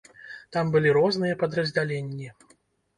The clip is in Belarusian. Там былі розныя падраздзяленні.